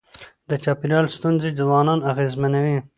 د چاپېریال ستونزي ځوانان اغېزمنوي.